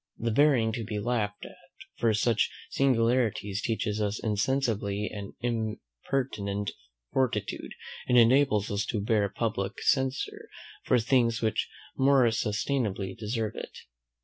The bearing to be laughed at for such singularities, teaches us insensibly an impertinent fortitude, and enables us to bear public censure for things which more substantially deserve it."